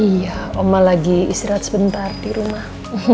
iya oma lagi istirahat sebentar di rumah